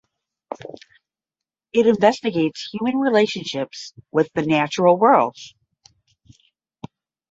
It investigates human relationships with the natural world.